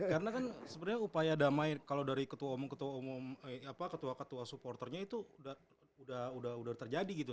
karena kan sebenarnya upaya damai kalau dari ketua ketua supporternya itu udah terjadi gitu